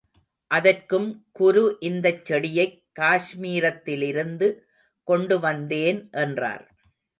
அதற்கும் குரு இந்தச் செடியைக் காஷ்மீரத்திலிருந்து கொண்டு வந்தேன் என்றார்.